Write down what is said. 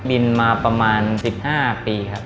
บินมาประมาณ๑๕ปีครับ